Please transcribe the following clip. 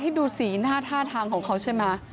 ดูสีหน้าท่าทางของเขาใช่ไหม